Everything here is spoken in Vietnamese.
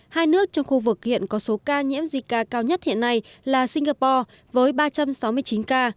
hai nước trong khu vực hiện có số ca nhiễm zika cao nhất hiện nay là singapore với ba trăm sáu mươi chín ca